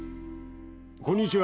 こんにちは。